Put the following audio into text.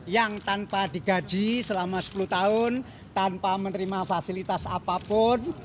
yang tanpa digaji selama sepuluh tahun tanpa menerima fasilitas apapun